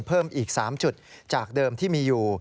เพิ่มอีก๓จุดจากเดิมที่มีอยู่